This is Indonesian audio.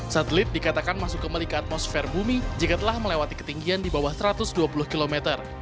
satelit dikatakan masuk kembali ke atmosfer bumi jika telah melewati ketinggian di bawah satu ratus dua puluh km